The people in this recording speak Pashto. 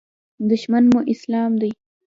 دښمن مو اسلام دی.